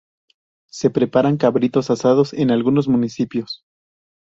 Se preparan cabritos asados en algunos municipios.